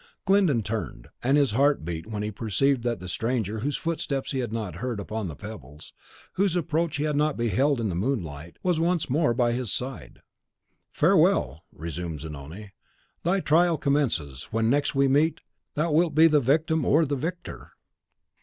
Glyndon turned, and his heart beat when he perceived that the stranger, whose footsteps he had not heard upon the pebbles, whose approach he had not beheld in the moonlight, was once more by his side. "Farewell," resumed Zanoni; "thy trial commences. When next we meet, thou wilt be the victim or the victor."